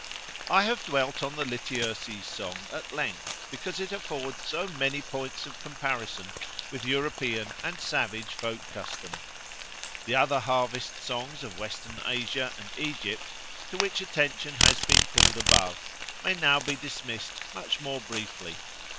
I have dwelt on the Lityerses song at length because it affords so many points of comparison with European and savage folk custom. The other harvest songs of Western Asia and Egypt, to which attention has been called above, may now be dismissed much more briefly.